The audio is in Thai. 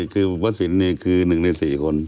คือวัดศิลป์เนี่ยคือหนึ่งในสี่คน